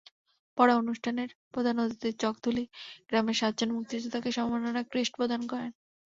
পরে অনুষ্ঠানের প্রধান অতিথি চকধুলী গ্রামের সাতজন মুক্তিযোদ্ধাকে সম্মাননা ক্রেস্ট প্রদান করেন।